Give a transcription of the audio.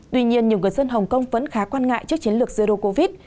tuy nhiên nhiều người dân hồng kông vẫn khá quan ngại trước chiến lược zero covid